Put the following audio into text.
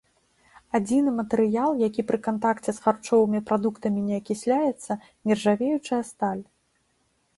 Адзіны матэрыял, які пры кантакце з харчовымі прадуктамі не акісляецца --нержавеючая сталь.